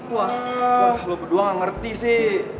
wah lo berdua gak ngerti sih